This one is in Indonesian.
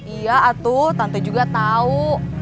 iya atu tante juga tau